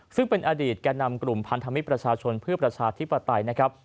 ซึ่งเป็นอดีตแก่นำกลุ่มพันธมิตรประชาชนเพื่อประชาธิปไตยนะครับ